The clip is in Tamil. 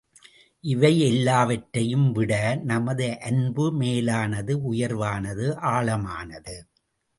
இவை எல்லாவற்றையும் விட நமது அன்பு மேலானது உயர்வானது ஆழமானது.